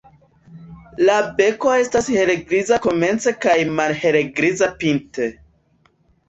La beko estas helgriza komence kaj malhelgriza pinte.